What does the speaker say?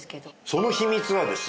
その秘密はですね